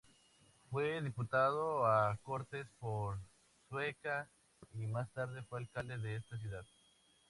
Fue diputado a Cortes por Sueca y más tarde fue alcalde de esta ciudad.